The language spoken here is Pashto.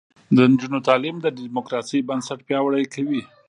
د نجونو تعلیم د دیموکراسۍ بنسټ پیاوړی کوي.